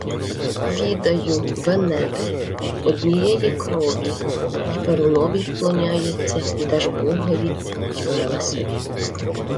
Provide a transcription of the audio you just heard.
— Відаю: венеди. Однієї крові... Й Перунові вклоняються, й Дажбогові, й Велесові...